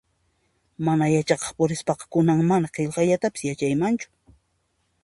Mana edukakuspaqa kunan mana qillqayta yachaymanchu